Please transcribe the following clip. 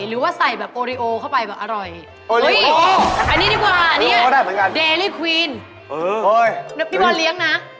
หรือว่าใส่แบบโอเรโอเข้าไปแบบอร่อย